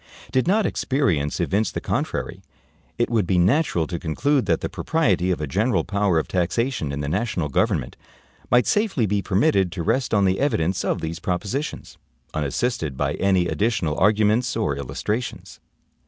Did not experience evince the contrary, it would be natural to conclude that the propriety of a general power of taxation in the national government might safely be permitted to rest on the evidence of these propositions, unassisted by any additional arguments or illustrations.